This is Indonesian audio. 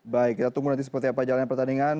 baik kita tunggu nanti seperti apa jalannya pertandingan